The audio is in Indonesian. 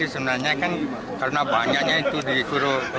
itu sebenarnya kan karena banyaknya itu dikuru